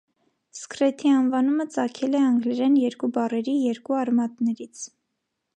Սքրեթի անվանումը ծագել է անգլերեն երկու բառերի երկու արմատներից։